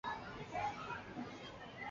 缘毛紫菀为菊科紫菀属的植物。